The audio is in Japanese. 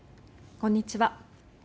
こんにちは。